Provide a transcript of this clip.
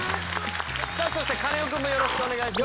さあそしてカネオくんもよろしくお願いします。